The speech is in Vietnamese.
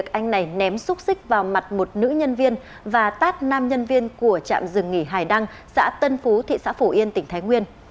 anh này ném xúc xích vào mặt một nữ nhân viên và tát nam nhân viên của trạm rừng nghỉ hải đăng xã tân phú thị xã phổ yên tỉnh thái nguyên